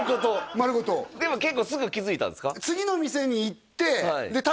丸ごとでも結構すぐ気づいたんですか？